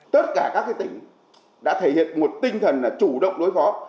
tất cả các tỉnh đã thể hiện một tinh thần là chủ động đối phó